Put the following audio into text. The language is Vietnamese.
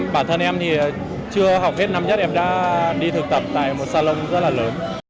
bản thân em thì chưa học hết năm nhất em đã đi thực tập tại một salon rất là lớn